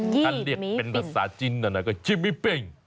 ท่านเรียกเป็นภาษาจีนอ่ะนะก็จิมมิปิ่ง